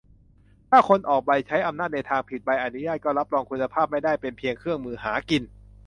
ถ้าคนออกใบใช้อำนาจในทางผิด ใบอนุญาตก็รับรองคุณภาพไม่ได้ เป็นเพียงเครื่องมือหากิน